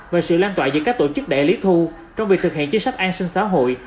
về sự lan tỏa giữa các tổ chức đệ lý thu trong việc thực hiện chức sách an sinh xã hội